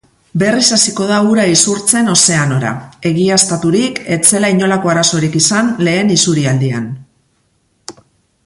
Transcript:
Berriz hasiko da ura isurtzen ozeanora, egiaztaturik ez zela inolako arazorik izan lehen isurialdian.